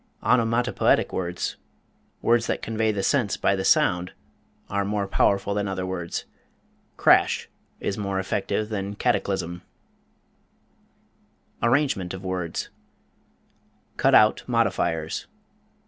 ONOMATOPOETIC words, words that convey the sense by the sound, are more powerful than other words crash is more effective than cataclysm. Arrangement of words Cut out modifiers.